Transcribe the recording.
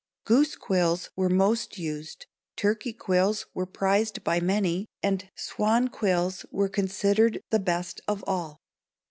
Goose quills were most used, turkey quills were prized by many, and swan quills were considered the best of all.